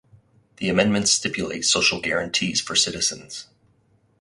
The amendments stipulate social guarantees for citizens.